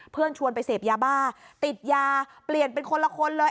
ชวนไปเสพยาบ้าติดยาเปลี่ยนเป็นคนละคนเลย